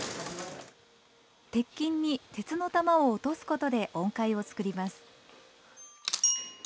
鉄琴に鉄の玉を落すことで音階を作ります。